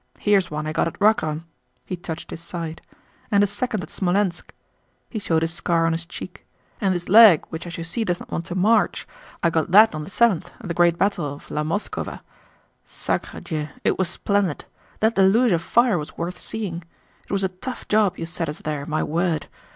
Here is one I got at Wagram" (he touched his side) "and a second at Smolénsk"—he showed a scar on his cheek—"and this leg which as you see does not want to march, I got that on the seventh at the great battle of la Moskowa. Sacré Dieu! It was splendid! That deluge of fire was worth seeing. It was a tough job you set us there, my word!